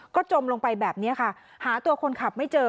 ก็จมลงไปแบบนี้ค่ะหาตัวคนขับไม่เจอ